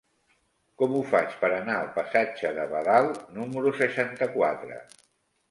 Com ho faig per anar al passatge de Badal número seixanta-quatre?